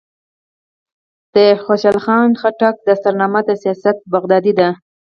د خوشحال خان خټک دستارنامه د سیاست بغدادي ده.